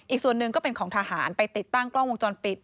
อีกส่วนหนึ่งก็เป็นของทหารไปติดตั้งกล้องวงจรปิด